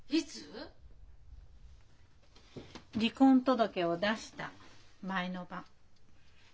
離婚届を出した前の晩。